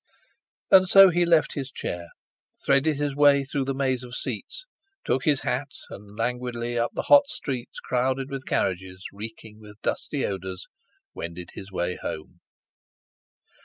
And so he left his chair, threaded his way through the maze of seats, took his hat, and languidly up the hot streets crowded with carriages, reeking with dusty odours, wended his way home.